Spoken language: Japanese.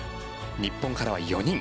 日本からは４人。